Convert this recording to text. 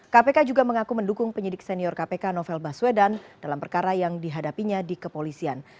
kpk juga mengaku mendukung penyidik senior kpk novel baswedan dalam perkara yang dihadapinya di kepolisian